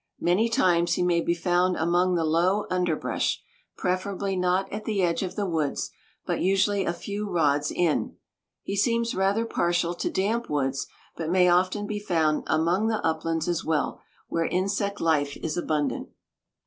Many times he may be found among the low underbrush, preferably not at the edge of the woods, but usually a few rods in. He seems rather partial to damp woods, but may often be found among the uplands as well, where insect life is abundant.